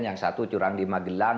yang satu curang di magelang